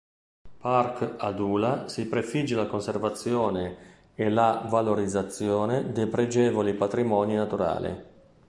Parc Adula si prefigge la conservazione e la valorizzazione dei pregevoli patrimoni naturali.